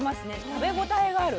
食べ応えがある。